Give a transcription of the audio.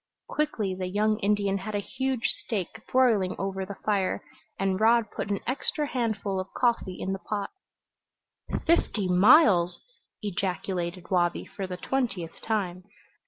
Quickly the young Indian had a huge steak broiling over the fire, and Rod put an extra handful of coffee in the pot. "Fifty miles!" ejaculated Wabi for the twentieth time.